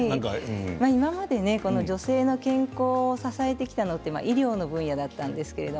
今まで女性の健康を支えてきたのは医療の分野だったんですけれど